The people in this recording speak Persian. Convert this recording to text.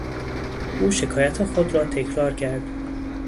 او شکایت خود را تکرار کرد.